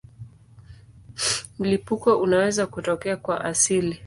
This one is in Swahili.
Mlipuko unaweza kutokea kwa asili.